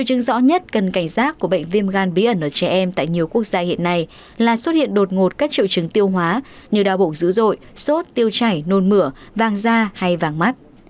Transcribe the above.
chứng rõ nhất cần cảnh giác của bệnh viêm gan bí ẩn ở trẻ em tại nhiều quốc gia hiện nay là xuất hiện đột ngột các triệu chứng tiêu hóa như đau bụng dữ dội sốt tiêu chảy nôn mửa vàng da hay vàng mắt